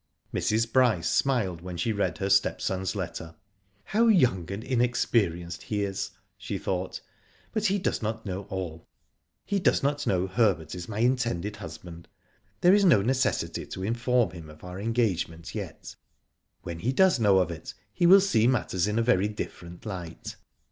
Mrs. Bryce smiled when she read her step son's letter. "How young and inexperienced he is," she thought. " But he does not know all. He does not know Herbert is my intended husband. There is no necessity to inform him of our engagement yet. "When he does know of it he will see matters in a very different light.